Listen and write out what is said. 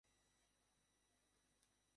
কাল রাতে এতো মদ খেলাম কেনো!